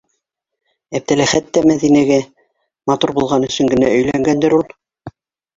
Әптеләхәт тә Мәҙинәгә... матур булған өсөн генә өйләнгәндер ул?